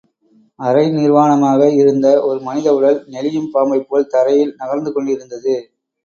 அரை நிர்வாணமாக இருந்த ஒரு மனித உடல், நெளியும் பாம்பைப் போல் தரையில் நகர்ந்து கொண்டிருந்தது.